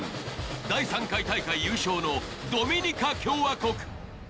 第３回大会優勝のドミニカ共和国。